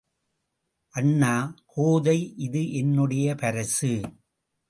அண்ணா! கோதை, இது என்னுடைய பரிசு.